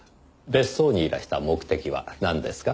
別荘にいらした目的はなんですか？